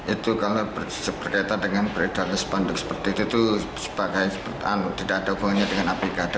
itu karena berkaitan dengan beredar spanduk seperti itu itu tidak ada hubungannya dengan apk